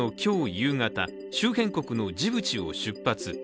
夕方、周辺国のジブチを出発。